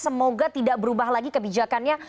semoga tidak berubah lagi kebijakannya